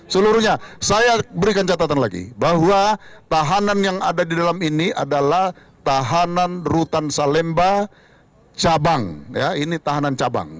seluruhnya saya berikan catatan lagi bahwa tahanan yang ada di dalam ini adalah tahanan rutan salemba cabang ini tahanan cabang